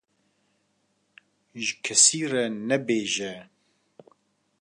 ji kesî re nebêje.